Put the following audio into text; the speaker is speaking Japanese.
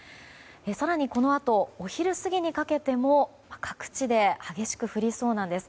更に、このあとお昼過ぎにかけても各地で激しく降りそうなんです。